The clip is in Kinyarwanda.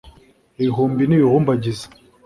Ibihumbi n'ibihumbagiza